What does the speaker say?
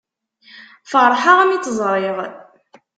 Ferḥeɣ mi tt-ẓriɣ.